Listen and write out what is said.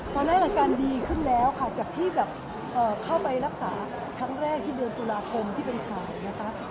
ตอนนี้อาการดีขึ้นแล้วจากที่เข้าไปรักษาทั้งแรกที่เดินตุราคมที่เป็นถ่าย